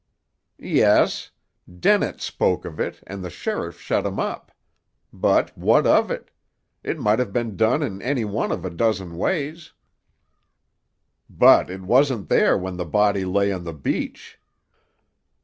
"Yes. Dennett spoke of it and the sheriff shut him up. But what of it? It might have been done in any one of a dozen ways." "But it wasn't there when the body lay on the beach."